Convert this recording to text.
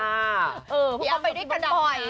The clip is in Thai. เออพวกเราไปด้วยกันบ่อย